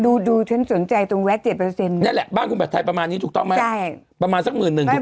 ดูฉันสนใจตรงแวะ๗นั่นแหละบ้านคุณแบบไทยประมาณนี้ถูกต้องไหมประมาณสัก๑๑๐๐๐ถูกต้องไหม